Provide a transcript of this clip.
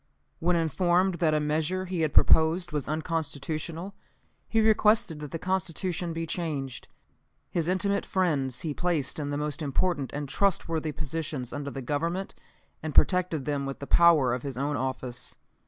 When informed that a measure he had proposed was unconstitutional, he requested that the constitution be changed. His intimate friends he placed in the most important and trustworthy positions under the Government, and protected them with the power of his own office.